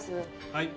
はい。